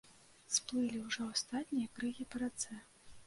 Сплылі ўжо астатнія крыгі па рацэ.